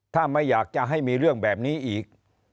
ถ้าไม่อยากจะให้มีเรื่องแบบนี้อีก